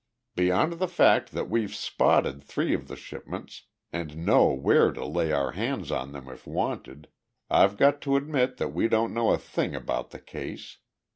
"Beyond the fact that we've spotted three of the shipments and know where to lay our hands on them if wanted, I've got to admit that we don't know a thing about the case.